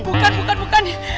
bukan bukan bukan